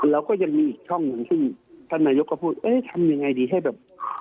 เราก็ยังมีอีกช่องหนึ่งซึ่งท่านนายกก็พูดเอ๊ะทำยังไงดีให้แบบ